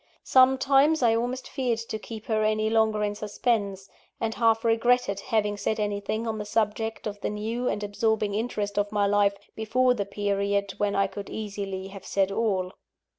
Sometimes, I almost feared to keep her any longer in suspense; and half regretted having said anything on the subject of the new and absorbing interest of my life, before the period when I could easily have said all.